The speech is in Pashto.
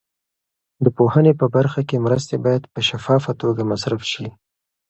د پوهنې په برخه کې مرستې باید په شفافه توګه مصرف شي.